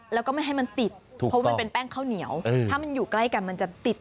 แล้วก็ไม่ให้มันติดเพราะมันเป็นแป้งข้าวเหนียวถ้ามันอยู่ใกล้กันมันจะติด